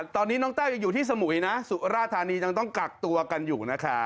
ตอนนี้น้องแต้วยังอยู่ที่สมุยนะสุราธานียังต้องกักตัวกันอยู่นะคะ